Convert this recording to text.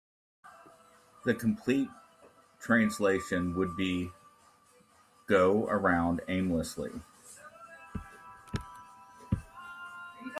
The complete translation would be "go - around aimlessly".